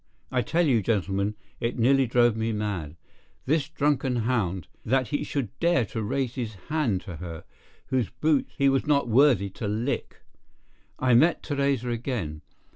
I tell you, gentlemen, it nearly drove me mad. This drunken hound, that he should dare to raise his hand to her, whose boots he was not worthy to lick! I met Theresa again.